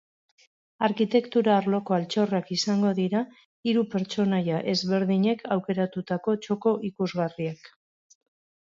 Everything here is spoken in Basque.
Arkitektura arloko altxorrak izango dira, hiru pertsonaia ezberdinek aukeratutako txoko ikusgarriak.